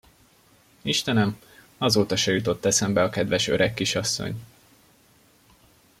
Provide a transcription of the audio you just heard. Istenem, azóta se jutott eszembe a kedves öreg kisasszony.